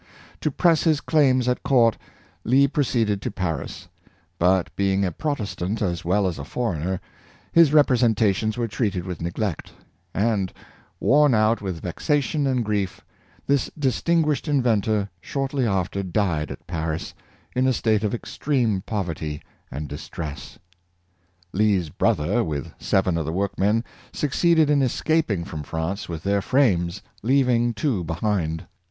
To press his claims at court, Lee proceeded to Paris; but, being a Protestant as well as a foreigner, his representations were treated with neglect; and, worn out with vexation and ^'^lo.i^ this distinguished inventor John HeathcoaL 217 shortly after died at Paris, in a state of extreme pov ert}' and distress. Lee's brother, with seven of the workmen, succeeded in escaping from France with their frames, leaving two behind.